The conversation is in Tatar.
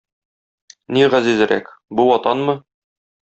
Ни газизрәк - бу ватанмы?